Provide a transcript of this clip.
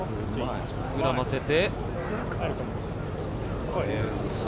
膨らませて。